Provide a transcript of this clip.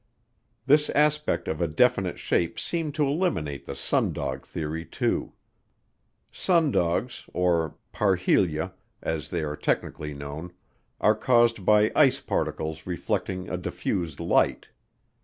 This aspect of a definite shape seemed to eliminate the sundog theory too. Sundogs, or parhelia, as they are technically known, are caused by ice particles reflecting a diffused light.